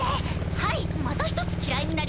はいまた一つ嫌いになりました！